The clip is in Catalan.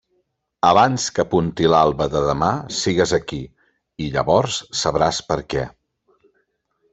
Abans que apunti l'alba de demà, sigues aquí, i llavors sabràs per què.